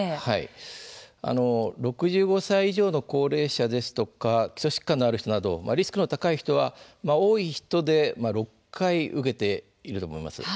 ６５歳以上の高齢者ですとか基礎疾患のある人などリスクの高い人は多い人で６回、受けているんです。